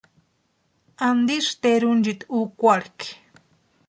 ¿Antisï tʼerunchiti úkwarhikʼi?